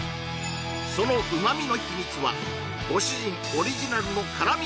その旨味の秘密はご主人オリジナルの辛味